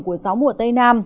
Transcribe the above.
của gió mùa tây nam